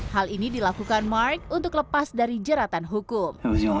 hal ini dilakukan mark untuk lepas dari jeratan hukum